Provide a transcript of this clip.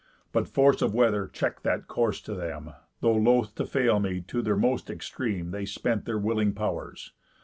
But force of weather check'd that course to them, Though (loth to fail me) to their most extreme They spent their willing pow'rs.